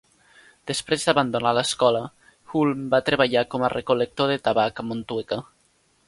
Després d'abandonar l'escola, Hulme va treballar com a recol·lector de tabac a Motueka.